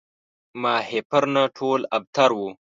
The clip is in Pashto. ماهیپر نه ټول ابتر وو